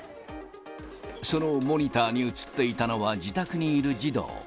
そのモニターに映っていたのは自宅にいる児童。